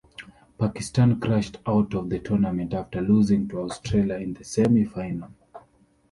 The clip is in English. Pakistan crashed out of the tournament after losing to Australia in the semi-final.